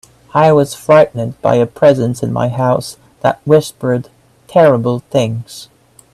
I was frightened by a presence in my house that whispered terrible things.